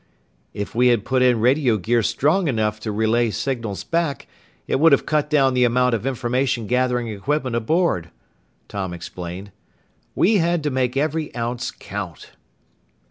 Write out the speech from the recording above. "If we had put in radio gear strong enough to relay signals back, it would have cut down the amount of information gathering equipment aboard," Tom explained. "We had to make every ounce count."